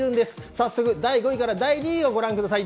早速、第５位から第２位をご覧ください。